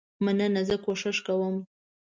مننه زه کوشش کوم.